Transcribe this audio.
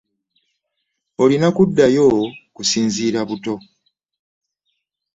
Olina kuddayo kusinziira buto.